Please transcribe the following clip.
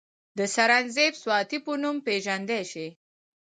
د سرنزېب سواتي پۀ نوم پ ېژندے شي،